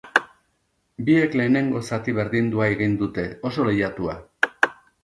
Biek lehenengo zati berdindua egin dute, oso lehiatua.